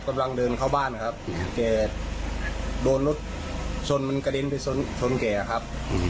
กำลังเดินเข้าบ้านครับแกโดนรถชนมันกระเด็นไปชนชนแกครับ